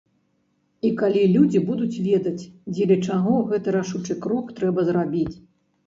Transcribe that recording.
І калі людзі будуць ведаць, дзеля чаго гэты рашучы крок трэба зрабіць.